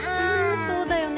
そうだよね。